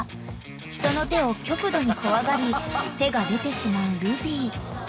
［人の手を極度に怖がり手が出てしまうルビー］